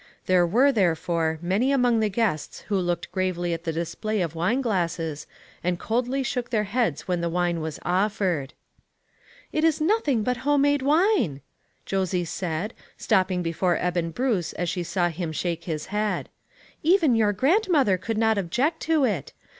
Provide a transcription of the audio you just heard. There were, therefore, many among the guests who looked gravely at the display of wine glasses, and coldly shook their heads when the wine was offered. " It is nothing but home made wine," Josie said, stopping before Eben Bruce as she saw l.im shake his head; "even your grandmother could not object to it.